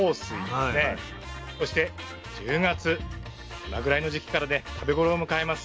そして１０月今ぐらいの時期からね食べ頃を迎えます